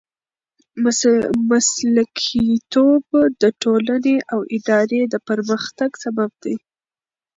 مسلکیتوب د ټولنې او ادارې د پرمختګ سبب دی.